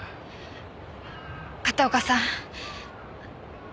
片岡さん私。